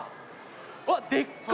うわっでっか！